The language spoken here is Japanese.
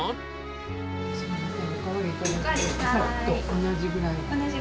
同じぐらい。